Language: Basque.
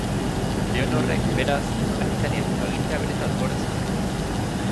Leonorrek, beraz, Akitaniako agintea beretzat gorde zuen.